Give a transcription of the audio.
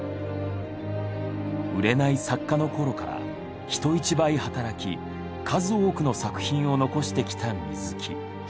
売れない作家のころから人一倍働き数多くの作品を残してきた水木。